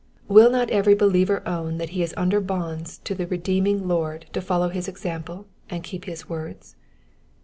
Will not every believer own that he is under bonds to the redeeming Lord to follow his example, and keep his words